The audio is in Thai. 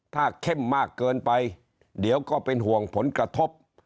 ถ้าเข้มมากเกินไปเดี๋ยวก็เป็นห่วงผลกระทบ